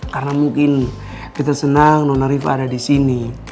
karena mungkin betta senang nona riva ada di sini